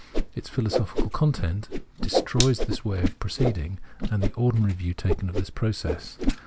Its philo sophical content destroys this way of proceeding and the ordinary view taken of this process.